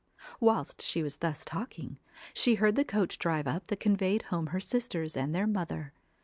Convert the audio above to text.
Whilst she was thus talking, she heard the coach drive up that conveyed home her sisters and their mother.